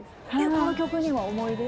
この曲には思い出？